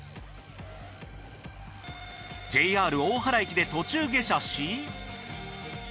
ＪＲ大原駅で途中下車し。